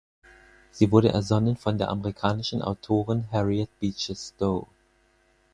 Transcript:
Sie wurde ersonnen von der amerikanischen Autorin Harriet Beecher Stowe.